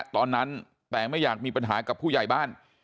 ตอนนั้นแต่ไม่อยากมีปัญหากับผู้ใหญ่บ้าน